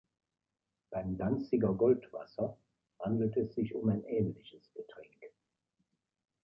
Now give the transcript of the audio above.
Beim "Danziger Goldwasser" handelt es sich um ein ähnliches Getränk.